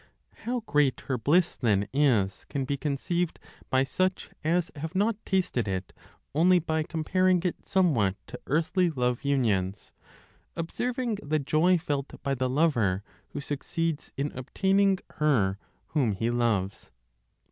How great her bliss then is can be conceived by such as have not tasted it only by comparing it somewhat to earthly love unions, observing the joy felt by the lover who succeeds in obtaining her whom he loves.